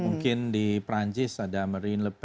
mungkin di prancis ada marine le pen